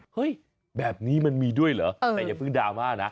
เฮ้ยแบบนี้มันมีด้วยเหรอแต่อย่าเพิ่งดราม่านะ